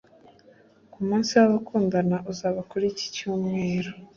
Ku munsi w’abakundana uzaba kuri iki cyumweru